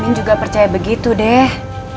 bin juga percaya begitu deh